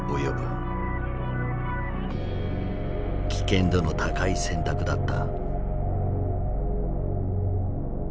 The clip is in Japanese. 危険度の高い選択だった。